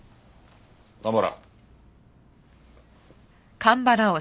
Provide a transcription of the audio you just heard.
蒲原。